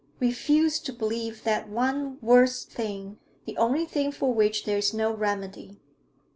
Refuse to believe that one worst thing, the only thing for which there is no remedy.